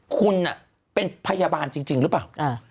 คุณเป็นพยาบาลจริงหรือเปล่า